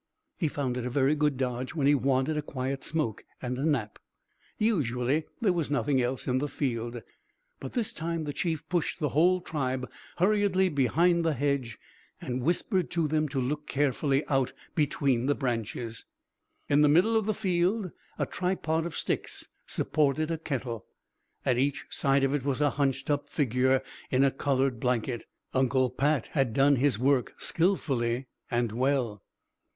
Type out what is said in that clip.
He found it a very good dodge when he wanted a quiet smoke and a nap. Usually there was nothing else in the field, but this time the Chief pushed the whole tribe hurriedly behind the hedge, and whispered to them to look carefully out between the branches. In the middle of the field a tripod of sticks supported a kettle. At each side of it was a hunched up figure in a coloured blanket. Uncle Pat had done his work skilfully and well.